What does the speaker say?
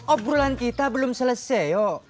obrolan kita belum selesai